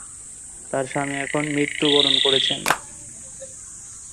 তাঁর স্বামী এখন মৃত্যুবরণ করেছেন।